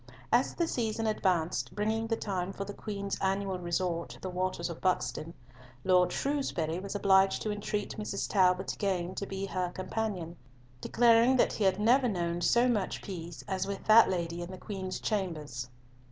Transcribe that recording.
As the season advanced, bringing the time for the Queen's annual resort to the waters of Buxton, Lord Shrewsbury was obliged to entreat Mrs. Talbot again to be her companion, declaring that he had never known so much peace as with that lady in the Queen's chambers.